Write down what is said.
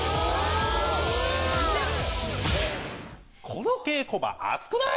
この稽古場暑くない？